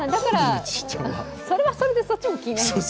それはそれで、そっちも気になります。